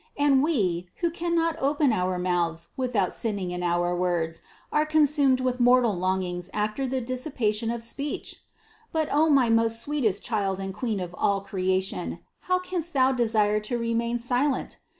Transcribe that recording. And we, who cannot open our mouths without sinning in our words, are consumed with mortal longings after the dissipation of speech! But, O my most sweet Child and Queen of all creation, how canst Thou desire to remain silent?